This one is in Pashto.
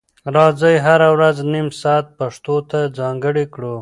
راځئ هره ورځ نیم ساعت پښتو ته ځانګړی کړو.